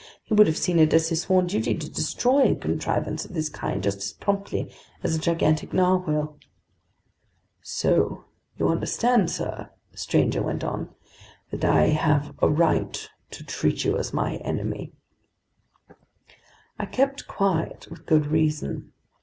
He would have seen it as his sworn duty to destroy a contrivance of this kind just as promptly as a gigantic narwhale. "So you understand, sir," the stranger went on, "that I have a right to treat you as my enemy." I kept quiet, with good reason.